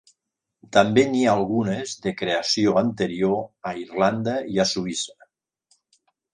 També n'hi ha algunes, de creació anterior, a Irlanda i a Suïssa.